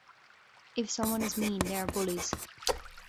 If someone is mean, they are bullies.